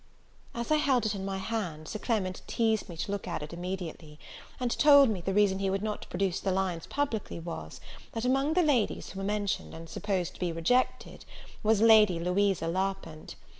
As I held it in my hand, Sir Clement teazed me to look at it immediately; and told me, the reason he could not produce the lines publicly was, that among the ladies who were mentioned, and supposed to be rejected, was Lady Louisa Larpent.